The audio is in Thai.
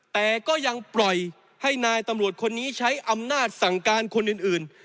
แต่ก็ยังปล่อยให้นายตำรวจคนนี้ใช้อำนาจสั่งการคนอื่น